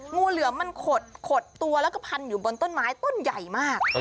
งูเหลือมมันขดตัวแล้วก็พันอยู่บนต้นไม้ต้นใหญ่มาก